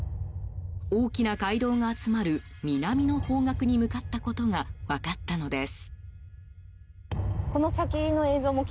大きな街道が集まる、南の方角に向かったことが分かったのです。